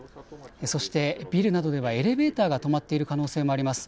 そしてビルなどではエレベーターが止まっている可能性もあります。